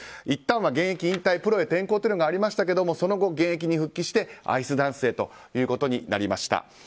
いったんは現役引退プロへの転向がありましたけどもその後、現役に復帰してアイスダンスへということになりました。